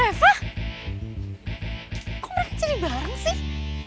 boy reva kok mereka jadi bareng sih